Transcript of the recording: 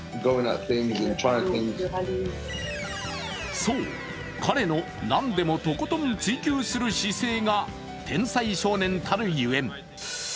そう、彼の何でもとことん追求する姿勢が天才少年たるゆえん。